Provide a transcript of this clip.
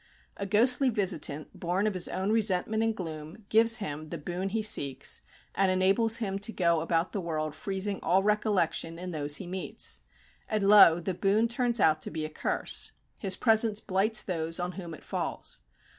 A ghostly visitant, born of his own resentment and gloom, gives him the boon he seeks, and enables him to go about the world freezing all recollection in those he meets. And lo the boon turns out to be a curse. His presence blights those on whom it falls.